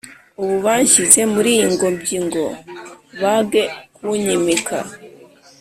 ubu banshyize muri iyi ngobyi ngo bage kunyimika